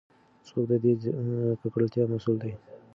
څوک د دې ککړتیا مسؤل دی؟